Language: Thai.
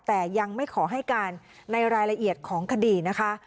แต่ยังไม่ขอให้การในรายละเอียดของคดีนะคะ